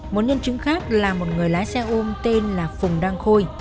một nhân chứng khác là một người lái xe ôm tên là phùng đăng khôi